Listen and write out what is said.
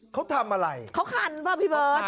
เขาทำอะไร